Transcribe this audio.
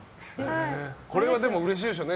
これはでもうれしいでしょうね